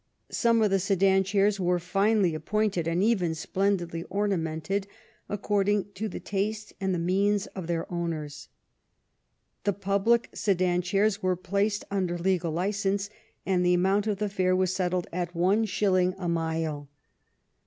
Some of the sedan chairs were finely appointed and even splendidly ornamented according to the taste and the means of their owners. The public sedan chairs were placed under legal license, and the amount of the fare was settled at one shilling a mile.